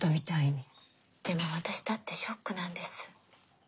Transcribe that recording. でも私だってショックなんです。